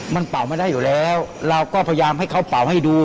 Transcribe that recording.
มันเป่าไม่ได้อยู่แล้วเราก็พยายามให้เขาเป่าให้ดู